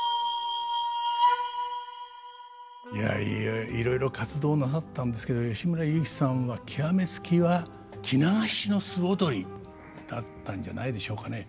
いやいろいろ活動なさったんですけど吉村雄輝さんは極め付きは着流しの素踊りだったんじゃないでしょうかね。